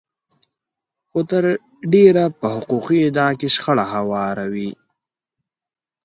خو تر ډېره په حقوقي ادعا کې شخړې هواروي.